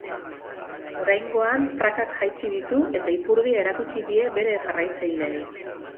Oraingoan prakak jaitsi ditu eta ipurdia erakutsi die bere jarraitzaileei.